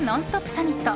サミット